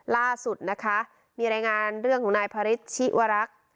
ล่าสุดนะคะมีรายงานเรื่องของนายพระฤทธิวรักษ์